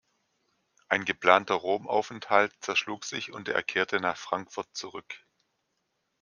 Ein geplanter Romaufenthalt zerschlug sich und er kehrte nach Frankfurt zurück.